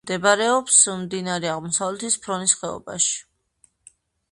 მდებარეობს მდინარე აღმოსავლეთის ფრონის ხეობაში.